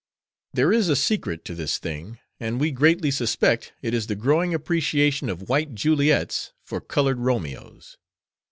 There is a secret to this thing, and we greatly suspect it is the growing appreciation of white Juliets for colored Romeos."